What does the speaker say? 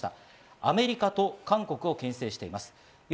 アメリカと韓国を牽制しています。